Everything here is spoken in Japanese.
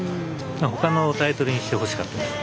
他のタイトルにしてほしかったです。